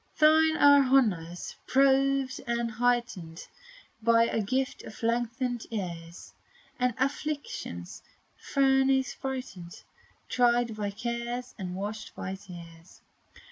Thine are honors, proved and heightened By the gift of lengthened years; In affliction's furnace brightened, Tried by cares, and washed with tears.